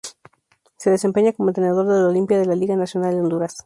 Se desempeña como entrenador del Olimpia de la Liga Nacional de Honduras.